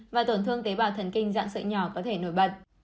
và tổn thương tế bào thần kinh dạng sợi nhỏ có thể nổi bật